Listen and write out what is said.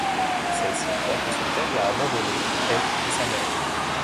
Celle-ci croit que son père l’a abandonnée elle et sa mère.